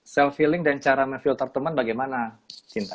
self feeling dan cara memfilter teman bagaimana cinta